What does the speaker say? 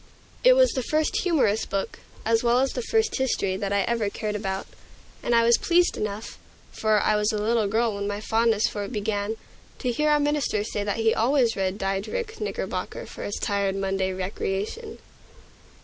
It was the first humorous book, as well as the first history, that I ever cared about. And I was pleased enough for I was a little girl when my fondness for it began to hear our minister say that he always read Diedrich Knickerbocker for his tired Monday's recreation.